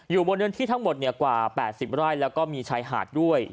อยู่บนเงินที่ทั้งหมดเนี่ยกว่าแปดสิบไร้แล้วก็มีชายหาดด้วย